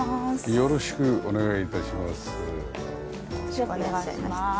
よろしくお願いします。